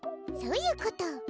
そういうこと。